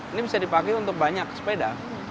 ini bisa dipakai untuk banyak sepeda